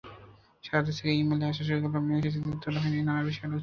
সারা দেশ থেকে ই-মেইলে আসা শুরু হলো মেয়েশিশুদের তোলা নানা বিষয়ের আলোকচিত্র।